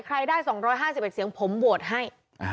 ใครได้๒๕๑เสียงผมโหวตให้